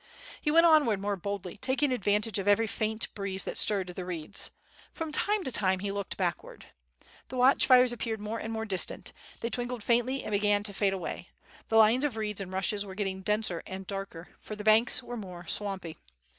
He went onward more boldly, taking advantage of every faint breeze that stirred the reeds. F'rom time to time he looked backward. The watch fires appeared more and more distant; they twinkled faintly and began to fade away. The lines of reeds and rushes were getting denser and darker, for the banks were more swampy.